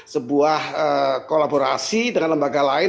sebuah kolaborasi dengan lembaga lain